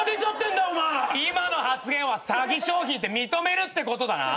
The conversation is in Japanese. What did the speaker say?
今の発言は詐欺商品って認めるってことだな？